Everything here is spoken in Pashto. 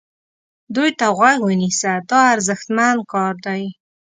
دوی ته غوږ ونیسه دا ارزښتمن کار دی.